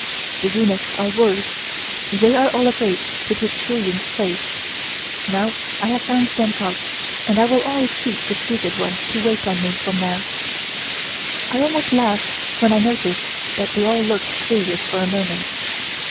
The eunuchs are worse. They are all afraid to take Chiu Yuen's place. Now I have found them out, and I will only keep the stupid ones to wait on me from now." I almost laughed when I noticed that they all looked serious for a moment.